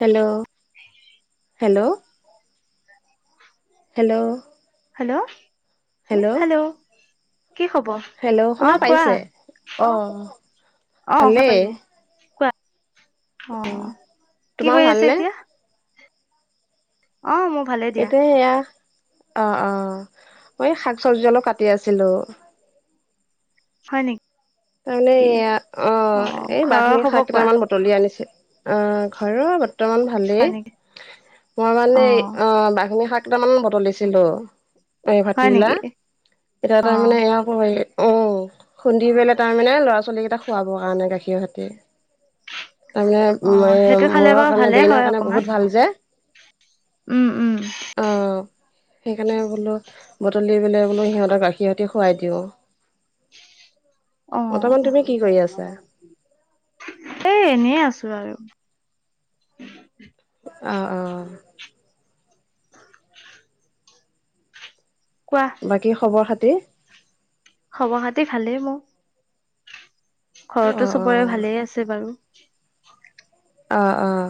Hello hello. Hello. Hello hello কি খবৰ? Hello অ শুনা কোৱা পাইছে অ। অ শুনা ভালেই পাইছোঁ। কোৱা? অ কি তোমাৰ কৰি আছে ভালনে এতিয়া? অ মব। এতিয়া এয়া অ অ মই শাক চব্জি অলপ কাটি আছিলো। হয় নেক- তাৰমানে এয়া অ এই ঘৰৰ বাক্ষ্মী শাক খবৰ কোৱা কেইটামান ব- তলি আনিছে। অ ঘৰৰ বত- ৰ্তমান ভালেই হয় নেকি মই মানে অ বাক্ষ্মী শাক কেইটামান বুটলিছিলো এই ভাটি হয় বিলা নেকি এতিয়া অ তাৰমানে। উ উম খুন্দি পেলাই তাৰমানে ল'ৰা ছোৱালী কেইটাক খুৱাবৰ কাৰণে গাখীৰ সৈতে। অ তাৰমানে সেইটো মূ খালে মূৰৰ বাৰু কাৰণে ভালে হয় ব্ৰেইনৰ কাৰণে অকমান বহুত ভাল যে। উম উম। অ সেইকাৰণে বোলো বুটলি পেলাই বোলো সিহঁতক গাখীৰ সৈতে খোৱাই দিওঁ। অ বৰ্তমান তুমি কি কৰি আছা এই এনে আছো আৰু। অ অ। কোৱা? কি খবৰ খাতি? খবৰ খাতি ভালেই মো। ঘৰতো অঁ চবৰে অঁ ভালেই আছে বাৰু। অ অ।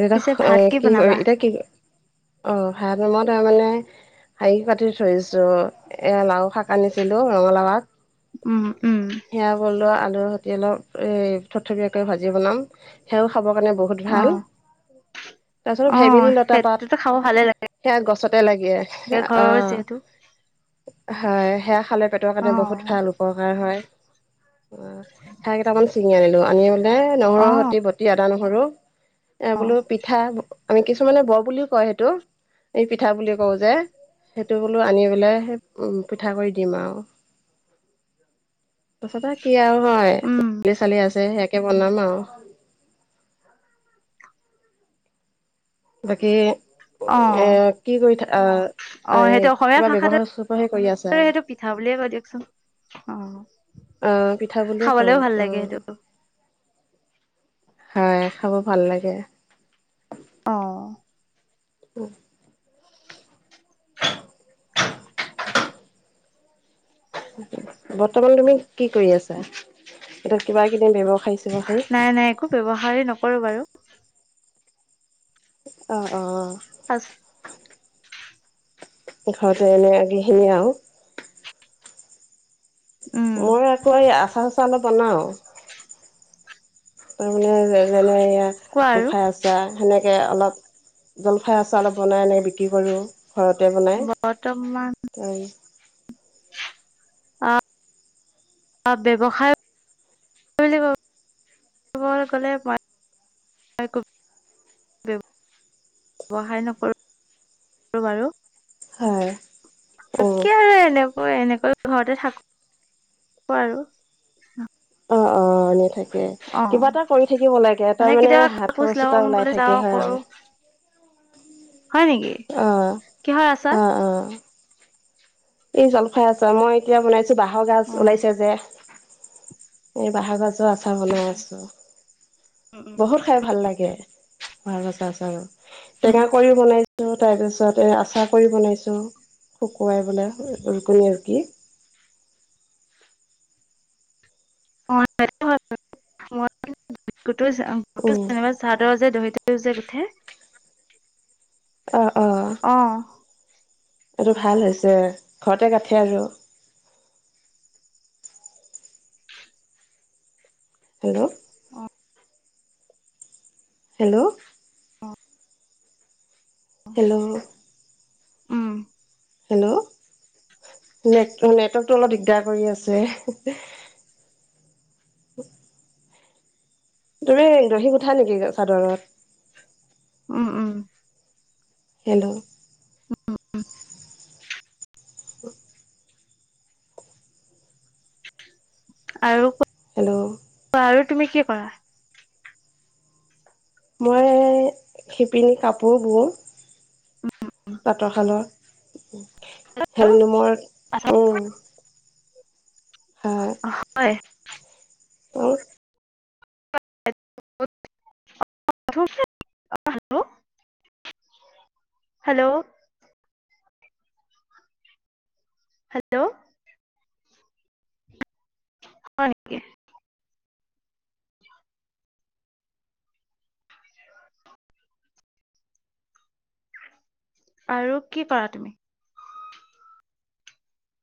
এয়া পিছে ভাত কি কৰি বনাবা এতিয়া কি কৰি অ সাত নমত তাৰ মানে। হাই পাতি থৈছো এয়া লাও শাক আনিছিলো ৰঙালাও আক। উম, উম। সেয়া বলোৱা আলুৰ সতিয়ে অলপ এ থথপিয়াকে ভাজি বনাম। সেয়াও খাবৰ কাৰণে বহুত। অ ভাল, তাৰিছত অ ভেবেলি লতা পাত সেইটোতো খাব ভালে লাগে সেয়া গছতে লাগে এ ঘৰৰ যিহেতু আহ। হয় সেয়া খালে পেটৰ অ কাৰণে বহুত ভাল উপকাৰ হয়। অ থাই কেইটামান ছিঙি আনিলো, আনি বোলে অ নহৰুৰ সতি বতি আদা, নহৰু এ অ বোলো পিঠা, আমি কিছুমানে বৰ বুলিও কয় সেইটো এই পিঠা বুলি কওঁ যে। সেইটো বোলো আনি পেলাই উম পিঠা কৰি দিম আও। তাৰছতে আৰু কি আও হয়, উম, দালি চালি আছে সেয়াকে বনাম আও। বাকী এ অ', কি কৰি থা অ', সেইটো অসমীয়া কিবা ভাষাটো ব্যৱহাৰ চপে কৰি আছা। সেইটো পিঠা বুলিয়ে কয় দিয়কচোন অ, অ', পিঠা বুলিয়ে কওঁ খাবলেও ভাল লাগে অ', সেইটো। হয়, খাব ভাল লাগে। অ'হ। উহ। বৰ্তমান তুমি কি কৰি আছা? এতিয়া কিবা - কিদে ব্যৱসায়ী চ্যৱসায়ী? নাই নাই একো ব্যৱহাৰেই নকৰো বাৰু। অ, অ। আচ ঘৰতে এনে কি খিনিয়ে আও। উম, মই আকৌ এই আচাৰ - চাচাৰ অলপ বনাও, তাৰমানে মানে কোৱা এয়া আৰু খাই আচ যা সেনেকে অলপ জলফাই আচাৰ অলপ বনাই এনেকৈ বিক্ৰী কৰোঁ। ঘৰতে বনাই বৰ্তমান ত বা ব্যৱসায় কি বুলি ক'লে বাই ক ব্যবসায় নকৰো বাৰু। হয়। কি আৰু এনেকৈ - এনেকৈ ঘৰতে থাক আৰু। অহ অহ এনে থাক কে অ', কিবা এটা কৰি থাকিব লাগে তাৰ মানে কেতিয়াবা হাত কাপোৰ খৰচ চিলাব এটা মন গ'লে ওলাই যাওঁ থাকে কৰো হয়। হয় নিকি? অহ অহ অহ। এই জলফাই আচাৰ, মই এতিয়া বনাইছো বাঁহৰ গাজ অ', ওলাইছে যে এই বাঁহৰ গাজ আচাৰ বনাই আছো, উম, উম, বহুত খাই ভাল লাগে ভাল আচাৰ- চাৰৰ। উম টেঙা কৰিও বনাইছো তাৰ পিছত এ আচাৰ কৰি বনাইছো শুকুৱাই বোলে। উম উম কোনে আৰু কি! কতো চিনিমা উম চাই। [inaudible] চাদৰ যে দহী থৈ যে গুঠে। অ'হ, অ'হ। অ'হ। এইটো ভাল হৈছে ঘৰতে গাঠে আৰু। হেল্ল'! অ। হেল্ল'! হেল্ল' উ'ম। হেল্ল! ' নেট নেটৱৰ্কটো অলপ দিগদাৰ কৰি আছে। তুমি দহি গোঠা নেকি চাদৰত? উম উম। হেল্ল'! উ উ উ। [inaudible] আৰু কো হেল্ল'। কোৱা আৰু তুমি কি কৰা? মই শিপিনী কাপোৰ বওঁ পাতৰশালত। হেললোমৰ উম। হয়। অ। [unintelligible] অ, হেল্ল। হেল্ল' হেল্ল' হয় নেকি? আৰু কি কৰা তুমি?